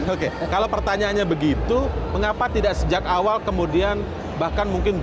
oke kalau pertanyaannya begitu mengapa tidak sejak awal kemudian